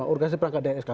organisasi perangkat dhsk